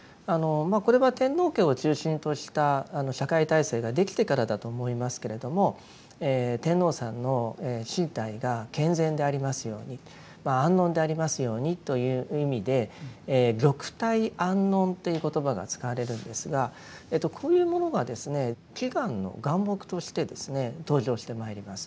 これは天皇家を中心とした社会体制ができてからだと思いますけれども天皇さんの身体が健全でありますように安穏でありますようにという意味で「玉体安穏」という言葉が使われるんですがこういうものがですね祈願の願目として登場してまいります。